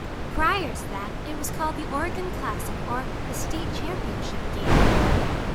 Prior to that, it was called the "Oregon Classic" or the "State Championship Game.".